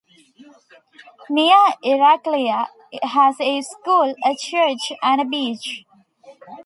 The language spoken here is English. Nea Irakleia has a school, a church and a beach.